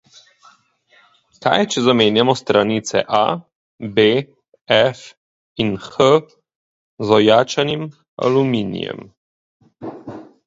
Kaj, če zamenjamo stranice A, B, F in H z ojačanim aluminijem?